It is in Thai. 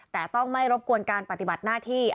แต่ต้องไม่รบกวนการปฏิบัติหน้าที่